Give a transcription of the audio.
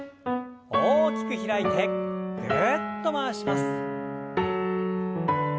大きく開いてぐるっと回します。